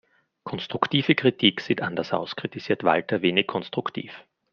Konstruktive Kritik sieht anders aus, kritisierte Walter wenig konstruktiv.